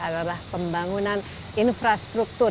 adalah pembangunan infrastruktur